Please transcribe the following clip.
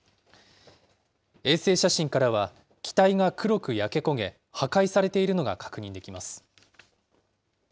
衛星写真からは、機体が黒く焼け焦げ、破壊されているのが確認できます。